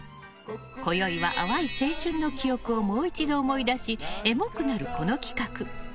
こよいは淡い青春の記憶をもう一度思い出しエモくなる、この企画。